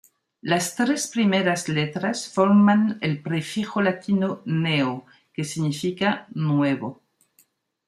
Las tres primeras letras forman el prefijo latino "neo", que significa "nuevo".